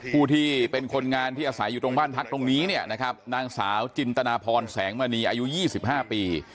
ผู้ที่เป็นคนงานที่อาศัยอยู่ตรงบ้านพักตรงนี้เนี่ยนะครับนางสาวจินตนาพรแสงมณีอายุ๒๕ปี